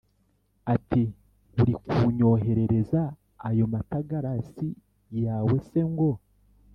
ati”urikunyoherereza ayo matagarasi yawe se ngo